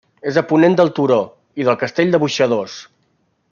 És a ponent del Turó i del Castell de Boixadors.